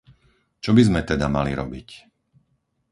Čo by sme teda mali robiť?